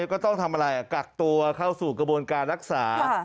ก็ต้องทำอะไรกักตัวเข้าสู่กระบวนการรักษา